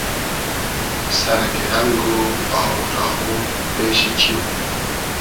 سئر گیرنئگ و آوور آوور پېشی چیم